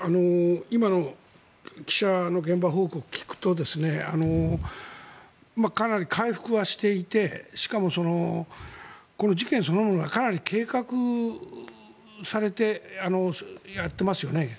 今の記者の現場報告を聞くとかなり回復はしていてしかも、この事件そのものがかなり計画されてやっていますよね。